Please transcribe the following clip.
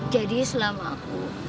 jadi selama aku